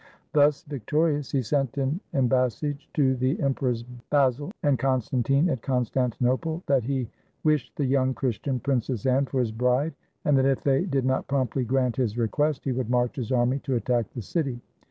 Thus victorious, he sent an embassage to the Emperors Basil and Constantine at Constantinople, that he wished the young Christian Princess Anne for his bride, and that if they did not promptly grant his request, he would march his army to attack the city.